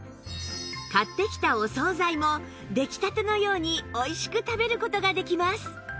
買ってきたお総菜も出来たてのようにおいしく食べる事ができます